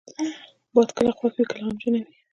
باد کله خوښ وي، کله غمجنه وي